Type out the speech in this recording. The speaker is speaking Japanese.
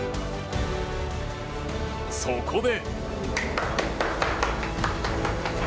そこで。